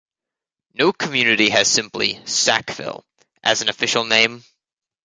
No community has simply "Sackville" as an official name.